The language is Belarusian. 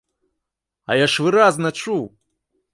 А я ж выразна чуў!